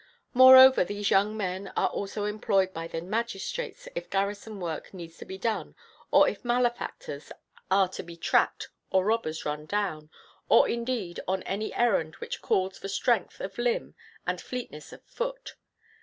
Moreover, these young men are also employed by the magistrates if garrison work needs to be done or if malefactors are to be tracked or robbers run down, or indeed on any errand which calls for strength of limb and fleetness of foot.